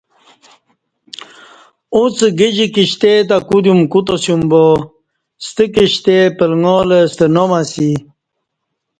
اݩڅ گجی کشتے تہ کودیوم کوتاسیوم با ستہ کشتے پلگاں لہ ستہ نام اسی